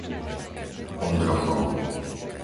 Ondrochov